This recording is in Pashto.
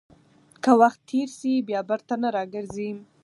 که وخت تېر شي، بیا بیرته نه راګرځي.